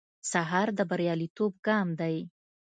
سهار د بریالیتوب ګام دی.